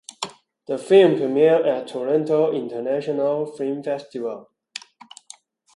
The film premiered at Toronto International Film Festival.